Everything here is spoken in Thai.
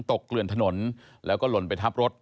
เกลื่อนถนนแล้วก็หล่นไปทับรถ